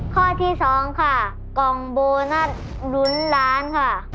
ข้อที่๒ค่ะกล่องโบนัสลุ้นล้านค่ะ